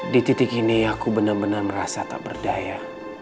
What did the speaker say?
di titik ini aku benar benar merasa tak berdaya